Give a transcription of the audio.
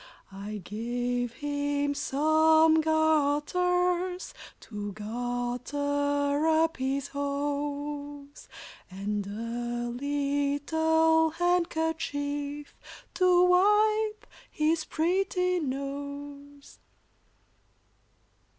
I gave him some garters, To garter up his hose, And a little handkerchief To wipe his pretty nose.